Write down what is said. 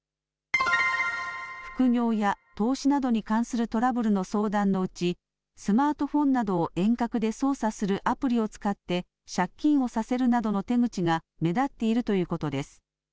副業や投資などに関するトラブルの相談のうち、スマートフォンなどを遠隔で操作するアプリを使って借金をさせるなどの手口が、目立っているということです。